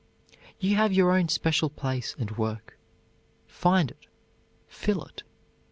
You have your own special place and work. Find it, fill it.